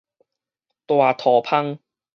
大塗蜂